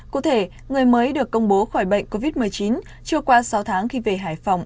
cụ thể người mới được công bố khỏi bệnh covid một mươi chín chưa qua sáu tháng khi về hải phòng